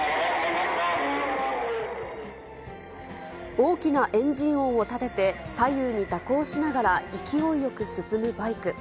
大きなエンジン音を立てて、左右に蛇行しながら勢いよく進むバイク。